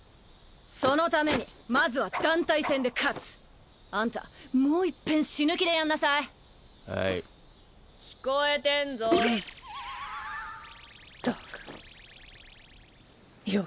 そのためにまずは団体戦で勝つ！あんたもういっぺん死ぬ気でやんなさはい聞こえてんぞったく何笑ってんのよ！